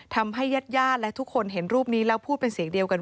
ญาติญาติและทุกคนเห็นรูปนี้แล้วพูดเป็นเสียงเดียวกัน